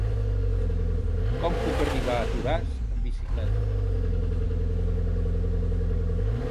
Com puc arribar a Toràs amb bicicleta?